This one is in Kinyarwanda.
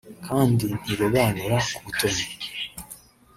kandi ntirobanura ku butoni